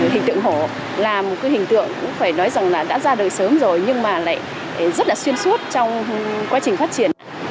hình tượng hổ là một cái hình tượng cũng phải nói rằng là đã ra đời sớm rồi nhưng mà lại rất là xuyên suốt trong quá trình phát triển